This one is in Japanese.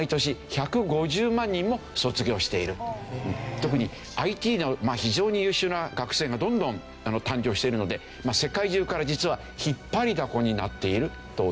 特にＩＴの非常に優秀な学生がどんどん誕生しているので世界中から実は引っ張りだこになっているというわけですね。